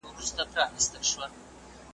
د ژبي اعتبار د قوم اعتبار دی ,